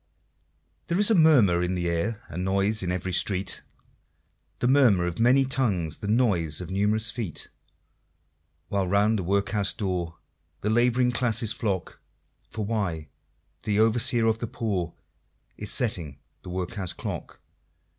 There's a murmur in the air, And noise in every street The murmur of many tongues, The noise of numerous feet While round the Workhouse door The Laboring Classes flock, For why? the Overseer of the Poor Is setting the Workhouse Clock.